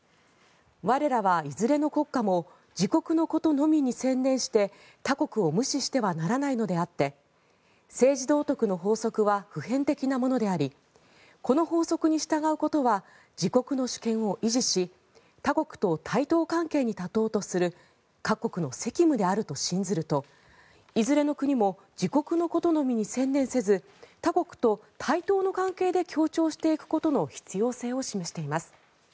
我らはいずれの国家も自国のことのみに専念して他国を無視してはならないのであって政治道徳の法則は普遍的なものでありこの法則に従うことは自国の主権を維持し他国と対等関係に立とうとする各国の責務であると信ずるといずれの国も自国のことのみに専念せず他国と対等の関係で協調していくことの必要性を示しています。